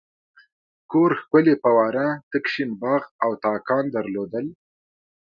کور ښکلې فواره تک شین باغ او تاکان درلودل.